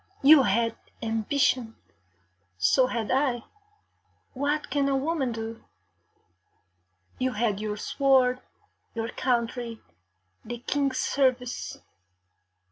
You had ambition, so had I. What can a woman do? You had your sword, your country, the King's service.